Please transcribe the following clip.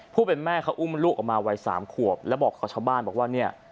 ผู้เป็นแม่เขาอุ้มลูกออกมาวัยสามขวบแล้วบอกกับชาวบ้านบอกว่าเนี่ย